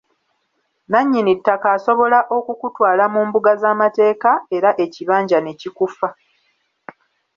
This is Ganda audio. Nannyini ttaka asobola okukutwala mu mbuga z’amateeka era ekibanja ne kikufa!